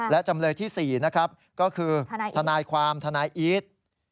และจำเลยที่๔นะครับก็คือทนายความทนายอีท